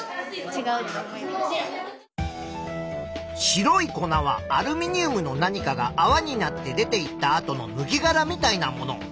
白い粉はアルミニウムの何かがあわになって出ていったあとのぬけがらみたいなもの。